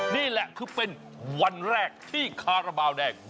นี่แหละคือเป็นวันแรกที่คาราบาลแดง